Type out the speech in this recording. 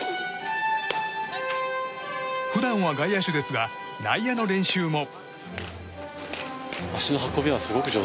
普段は外野手ですが内野の練習も。